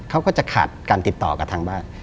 เขาก็จะขาดการติดต่อกับทางบ้าน